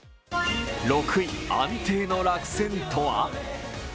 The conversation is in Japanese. ６位、安定の落選とは？